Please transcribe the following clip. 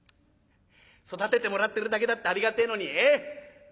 育ててもらってるだけだってありがてえのにええ？